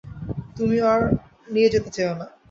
তুমিও আর নিয়ে যেতে চেয়ো না।